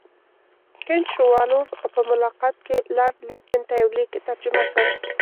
کنټ شووالوف په ملاقات کې لارډ لیټن ته یو لیک ترجمه کړ.